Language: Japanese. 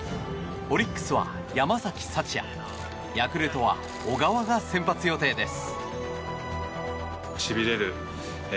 オリックスは山崎福也ヤクルトは小川が先発予定です。